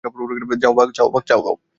যাও, বাক।